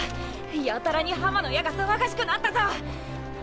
やたらに破魔の矢が騒がしくなったぞ！？